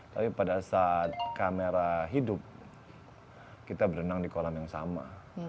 tapi pada saat kamera hidup kita berenang di kolam yang sama